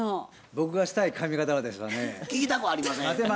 僕がしたい髪形はですはね。